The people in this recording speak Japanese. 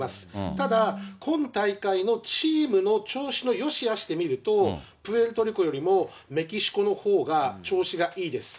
ただ、今大会のチームの調子のよしあしで見ると、プエルトリコよりもメキシコのほうが調子がいいです。